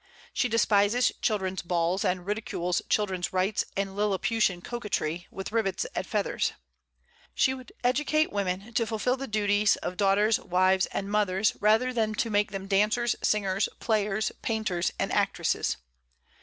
She despises children's balls, and ridicules children's rights and "Liliputian coquetry" with ribbons and feathers. She would educate women to fulfil the duties of daughters, wives, and mothers rather than to make them dancers, singers, players, painters, and actresses.